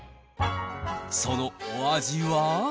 そのお味は。